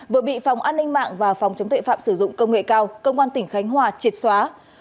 vừa bị phòng an ninh mạng và phòng chống tuệ phạm sử dụng công nghệ cao công an tỉnh khánh hòa triệt xóa